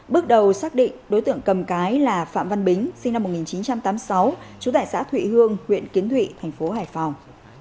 bước đầu xác định đối tượng cầm cái là phạm văn bính sinh năm một nghìn chín trăm tám mươi sáu trú tại xã thụy hương huyện kiến thụy thành phố hải phòng